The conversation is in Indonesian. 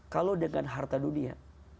kalau dengan harta dunia